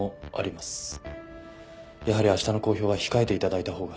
やはり明日の公表は控えて頂いたほうが。